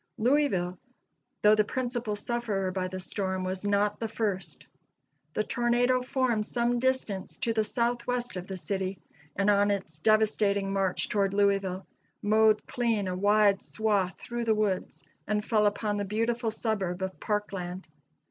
Louisville, though the principal sufferer by the storm, was not the first. The tornado formed some distance to the southwest of the city, and on its devastating march toward Louisville mowed clean a wide swath through the woods, and fell upon the beautiful suburb of Parkland.